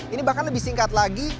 ini bahkan lebih singkat lagi